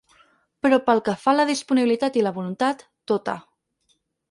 Però pel que fa a la disponibilitat i la voluntat, tota.